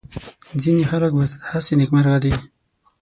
ځینې خلک بس هسې نېکمرغه دي.